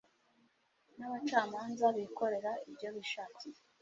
n abacamanza bikorera ibyo bishakiye